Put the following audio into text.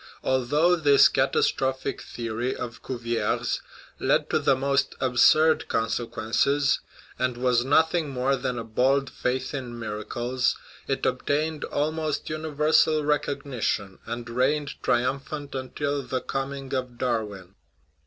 Although this " catastrophic the ory " of Cuvier 's led to the most absurd consequences, and was nothing more than a bald faith in miracles, it obtained almost universal recognition, and reigned triumphant until the coming of Darwin.